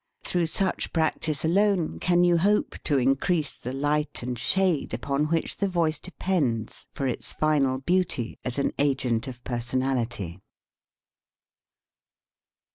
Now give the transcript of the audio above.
Through such practice alone can you hope to increase the light and shade upon which the voice depends for its final beauty as an agent of personality.